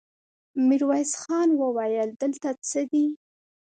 ميرويس خان وويل: دلته څه دي؟